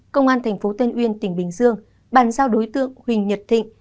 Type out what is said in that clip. công an tp tân uyên tỉnh bình dương bàn giao đối tượng huỳnh nhật thịnh